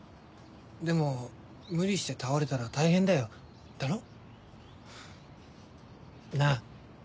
でも無理して倒れたら大変だよだろ？なぁ？